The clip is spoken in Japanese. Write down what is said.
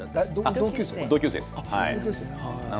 同級生です。